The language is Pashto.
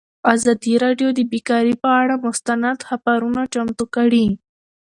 ازادي راډیو د بیکاري پر اړه مستند خپرونه چمتو کړې.